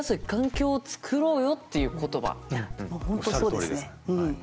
おっしゃるとおりです。